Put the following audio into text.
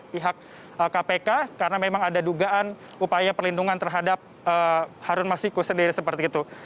pihak kpk karena memang ada dugaan upaya perlindungan terhadap harun masiku sendiri seperti itu